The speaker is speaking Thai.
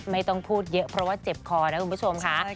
ไม่ต้องพูดเยอะเพราะว่าเจ็บคอนะคุณผู้ชมค่ะ